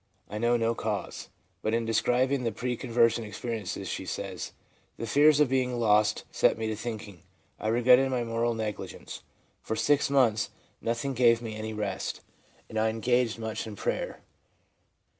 I know no cause.' But in describing the pre con version experiences, she says, ' The fears of being lost set me to thinking ; I regretted my moral negligence; for six months nothing gave me any rest, and I engaged much in prayer.'